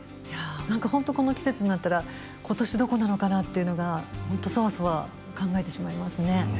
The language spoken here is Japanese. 何か本当この季節になったら今年どこなのかなっていうのが本当そわそわ考えてしまいますね。